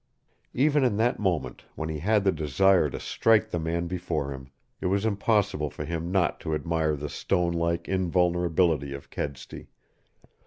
Even in that moment, when he had the desire to strike the man before him, it was impossible for him not to admire the stone like invulnerability of Kedsty.